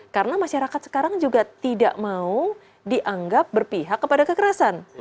karena masyarakat sekarang juga tidak mau dianggap berpihak kepada kekerasan